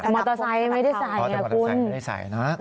มอเตอร์ไซต์ไม่ได้ใส่